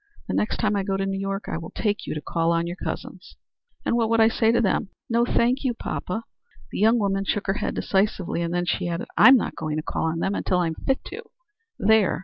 The next time I go to New York I will take you to call on your cousins." "And what would I say to them? No thank you, poppa." The young woman shook her head decisively, and then she added, "I'm not going to call on them, until I'm fit to. There!"